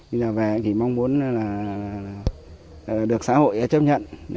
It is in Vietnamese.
bây giờ về thì mong muốn là được xã hội chấp nhận